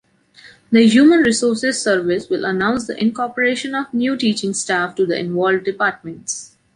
The Human Resources Service will announce the incorporation of new teaching staff to the involved Departments.